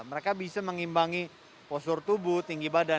mereka bisa mengimbangi postur tubuh tinggi badan